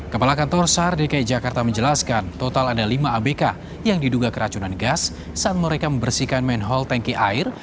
kepala kantor sar dki jakarta menjelaskan total ada lima abk yang diduga keracunan gas saat mereka membersihkan main hall tanki air